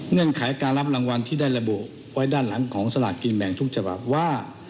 ไขการรับรางวัลที่ได้ระบุไว้ด้านหลังของสลากกินแบ่งทุกฉบับว่า